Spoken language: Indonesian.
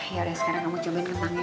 yaudah sekarang kamu cobain ngenang ya